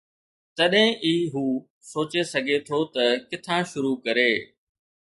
تڏهن ئي هو سوچي سگهي ٿو ته ڪٿان شروع ڪري.